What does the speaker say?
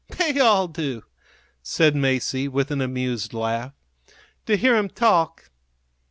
"They all do," said Masie, with an amused laugh, "to hear 'em talk.